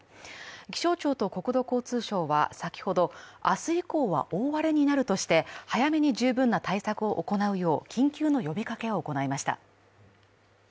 気象庁と国交省は先ほど、明日以降は大荒れになるとして早めに十分な対策を行うよう緊急の呼びかけを行いました。